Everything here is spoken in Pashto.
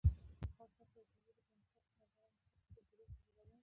افغانستان کې د تاریخ د پرمختګ لپاره رغنده هڅې په پوره توګه روانې دي.